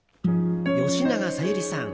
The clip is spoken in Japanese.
吉永小百合さん